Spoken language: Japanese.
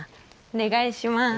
お願いします。